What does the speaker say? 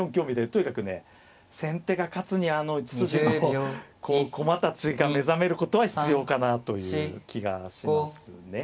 とにかくね先手が勝つにはあの１筋の駒たちが目覚めることは必要かなという気がしますね。